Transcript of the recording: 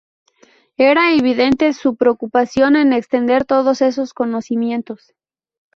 Era evidente su preocupación en extender todos esos conocimientos.